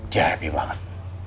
dia happy banget